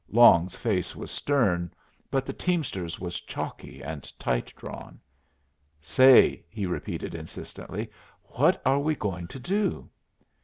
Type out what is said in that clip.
Long's face was stern, but the teamster's was chalky and tight drawn. "Say," he repeated, insistently, "what are we going to do?"